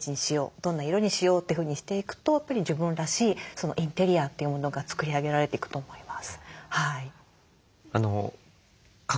どんな色にしようというふうにしていくとやっぱり自分らしいインテリアというものが作り上げられていくと思います。